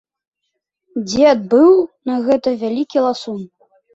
Дзед быў на гэта вялікі ласун.